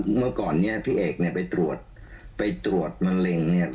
เมื่อก่อนเนี่ยพี่เอกไปตรวจมะเร็งเนี่ย